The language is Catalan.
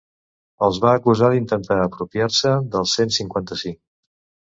Els va acusar d’intentar ‘apropiar-se’ del cent cinquanta-cinc.